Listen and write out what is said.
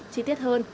chi tiết hơn